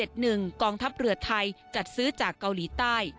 กองทัพเรือไทยจัดซื้อจากเกาหลีใต้